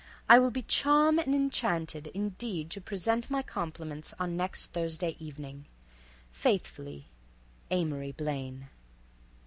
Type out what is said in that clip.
I will be charm and inchanted indeed to present my compliments on next Thursday evening. Faithfully, Amory Blaine.